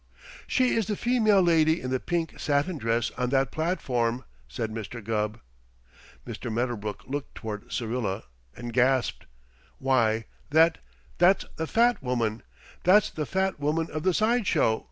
"She is the female lady in the pink satin dress on that platform," said Mr. Gubb. Mr. Medderbrook looked toward Syrilla and gasped. "Why, that that's the Fat Woman! That's the Fat Woman of the side show!"